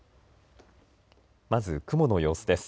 まず雲の様子です。